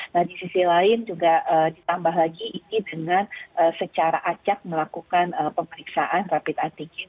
nah di sisi lain juga ditambah lagi ini dengan secara acak melakukan pemeriksaan rapid antigen